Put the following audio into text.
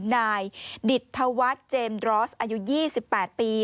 นายดิตธวัฒน์เจมส์รอสอายุ๒๘ปี